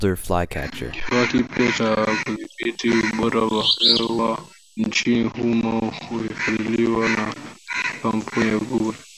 Kifaa kipya cha kudhibiti ubora wa hewa nchini humo kimefadhiliwa na kampuni ya Google